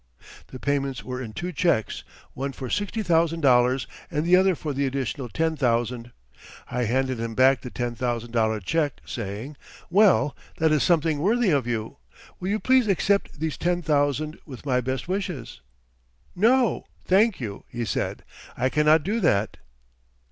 The payments were in two checks, one for sixty thousand dollars and the other for the additional ten thousand. I handed him back the ten thousand dollar check, saying: "Well, that is something worthy of you. Will you please accept these ten thousand with my best wishes?" "No, thank you," he said, "I cannot do that."